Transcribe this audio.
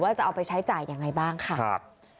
ว่าจะเอาไปใช้จ่ายอย่างไรบ้างค่ะ